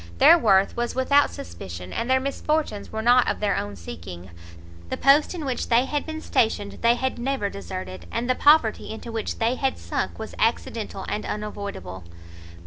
Their worth was without suspicion, and their misfortunes were not of their own seeking; the post in which they had been stationed they had never deserted, and the poverty into which they had sunk was accidental and unavoidable.